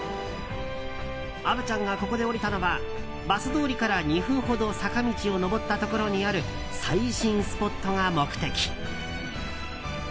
虻ちゃんがここで降りたのはバス通りから２分ほど坂道を上ったところにある最新スポットが目的。